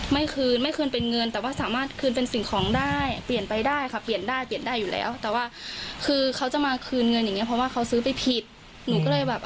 เดือดใช่พ่อหนูก็ไม่รู้เรื่องราวอะไรหรอก